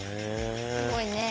すごいね。